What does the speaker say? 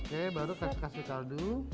oke baru kasih kaldu